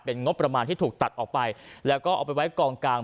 งบประมาณที่ถูกตัดออกไปแล้วก็เอาไปไว้กองกลาง